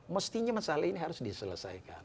mestinya masalah ini harus diselesaikan